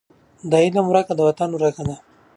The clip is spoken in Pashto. د علم ورکه د وطن ورکه ده.